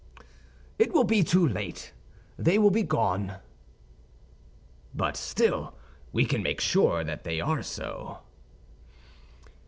"It will be too late; they will be gone." "But still, we can make sure that they are so."